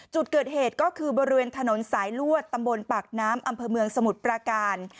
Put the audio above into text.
จุดเกิดเหตุก็คือบริเวณถนนสายลวดตำบลปากน้ำอำเภอเมืองสมุทรปราการ